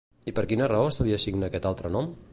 I per quina raó se li assigna aquest altre nom?